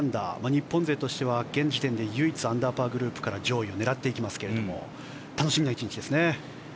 日本勢としては現時点で唯一アンダーパーグループから上位を狙っていきますが楽しみな１日ですね。